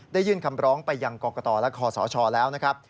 ยื่นคำร้องไปยังกรกตและคอสชแล้วนะครับ